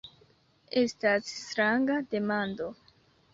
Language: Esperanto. Estas stranga demando.